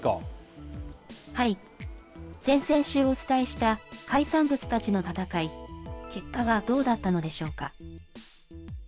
はい、先々週お伝えした海産物たちの戦い、結果はどうだったのでしょうか。